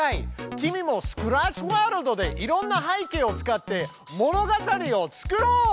君もスクラッチワールドでいろんな背景を使って物語を作ろう！